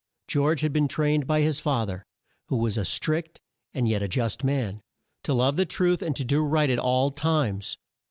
George had been trained by his fa ther, who was a strict and yet a just man, to love the truth and to do right at all times.